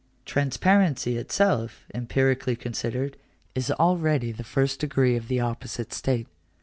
Transparency itself, empirically considered, is already the first degree of the opposite state.